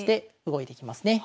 動いていきますね